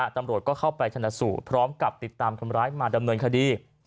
ตำรวจก็เข้าไปชนสูตรพร้อมกับติดตามคนร้ายมาดำเนินคดี